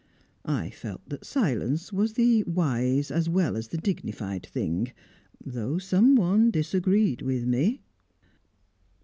I felt that silence was the wise as well as the dignified thing though someone disagreed with me."